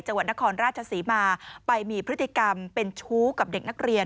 จังหวัดนครราชศรีมาไปมีพฤติกรรมเป็นชู้กับเด็กนักเรียน